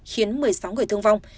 khiến một mươi sáu người thương vong